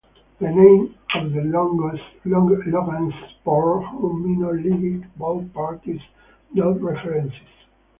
The name of the Logansport home minor league ballpark is not referenced.